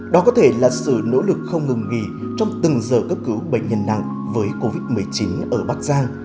đó có thể là sự nỗ lực không ngừng nghỉ trong từng giờ cấp cứu bệnh nhân nặng với covid một mươi chín ở bắc giang